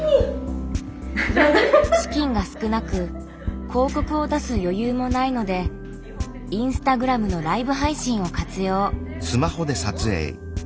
資金が少なく広告を出す余裕もないのでインスタグラムのライブ配信を活用。